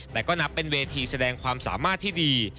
แต่ก็นับเป็นเวทีแสดงความสามารถที่ดี